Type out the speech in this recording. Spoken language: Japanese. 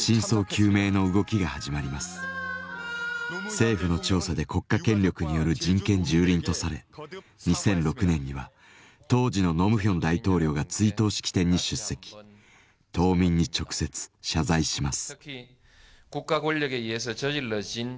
政府の調査で国家権力による人権蹂躙とされ２００６年には当時のノムヒョン大統領が追悼式典に出席島民に直接謝罪します。